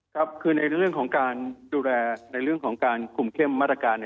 ครับคือในเรื่องของการดูแลในเรื่องของการคุมเข้มมาตรการ